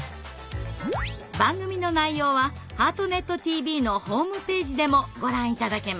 番組の内容は「ハートネットＴＶ」のホームページでもご覧頂けます。